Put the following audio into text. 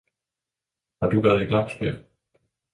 Har du været i Glamsbjerg